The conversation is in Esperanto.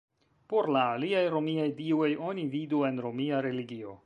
Por la aliaj romiaj dioj oni vidu en romia religio.